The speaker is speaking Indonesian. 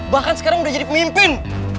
bahkan sekarang udah jadi pemimpin